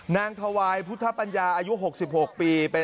ถวายพุทธปัญญาอายุ๖๖ปี